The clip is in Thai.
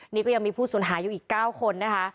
นี่ก็ยังมีผู้สูญหายอยู่อีก๙คนนะคะ